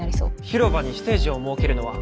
広場にステージを設けるのは？